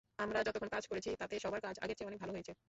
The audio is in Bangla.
আমরা যতক্ষণ কাজ করেছি, তাতে সাবার কাজ আগের চেয়ে অনেক ভালো হয়েছে।